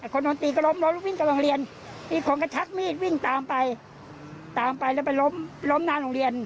คนลำตีก็ลิ้งกับเรียนตามตามไปตามไปเรียนไปล้มล้มหน้าโรงเรียน